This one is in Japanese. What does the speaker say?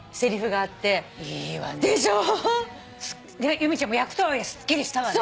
由美ちゃんも役とはいえすっきりしたわね。